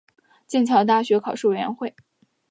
剑桥大学考试委员会